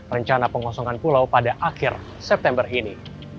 rencana pengosongan pulau pada akhir september ini